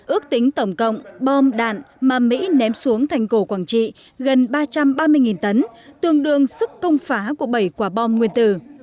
ước tính tổng cộng bom đạn mà mỹ ném xuống thành cổ quảng trị gần ba trăm ba mươi tấn tương đương sức công phá của bảy quả bom nguyên tử